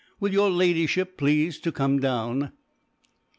Will your Ladyship please to come down?"